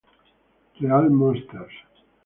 Real Monsters".